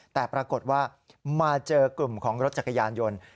แต่ปรากฏว่ามาเจอกลุ่มของรถจักรยานยนต์